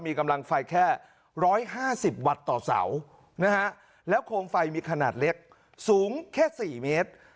มีกำลังไฟแค่๑๕๐วัตต์ต่อเสานะฮะแล้วโคมไฟมีขนาดเล็กสูงแค่๔เมตร